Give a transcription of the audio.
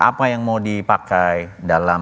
apa yang mau dipakai dalam